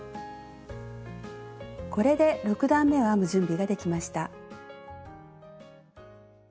これで６段めを編む準備ができました。